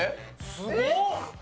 すごっ。